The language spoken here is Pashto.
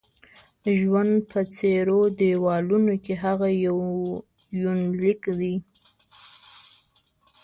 ژوند په څيرو دېوالو کې: هغه یونلیک دی